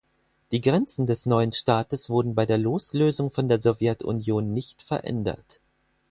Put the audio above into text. Die Grenzen des neuen Staates wurden bei der Loslösung von der Sowjetunion nicht verändert.